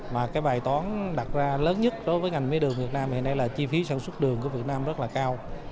mà cái bài toán đặt ra lớn nhất đối với ngành mía đường việt nam hiện nay là chi phí sản xuất đường của việt nam rất là cao